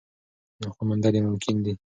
خو موندل یې ممکن دي.